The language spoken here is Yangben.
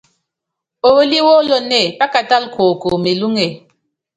Oólí wólonée, pákatála kuoko melúŋe.